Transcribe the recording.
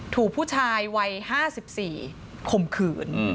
ถูกผู้ชายวัย๕๔ข่มขืน